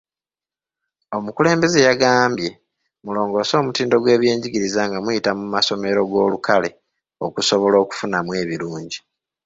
Omukulembeze yagambye, mulongoose omutindo gw'ebyenjigiriza nga muyita mu masomero g'olukale okusobola okufunamu ebirungi.